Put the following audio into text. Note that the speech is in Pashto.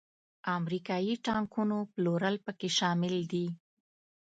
امریکایي ټانکونو پلورل پکې شامل دي.